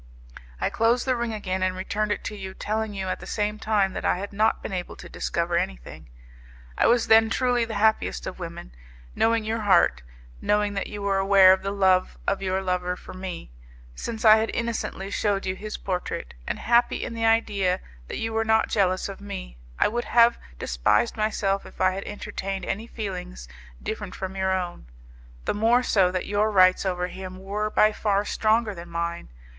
I closed the ring again and returned it to you, telling you at the same time that I had not been able to discover anything. I was then truly the happiest of women. Knowing your heart, knowing that you were aware of the love of your lover for me, since I had innocently shewed you his portrait, and happy in the idea that you were not jealous of me, I would have despised myself if I had entertained any feelings different from your own, the more so that your rights over him were by far stronger than mine.